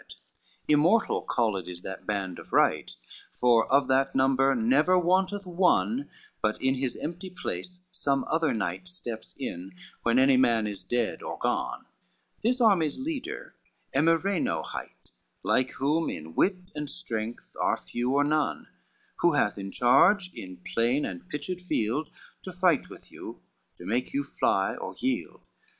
CXXIII "Immortal called is that band of right, For of that number never wanteth one, But in his empty place some other knight Steps in, when any man is dead or gone: This army's leader Emireno hight, Like whom in wit and strength are few or none, Who hath in charge in plain and pitched field, To fight with you, to make you fly or yield.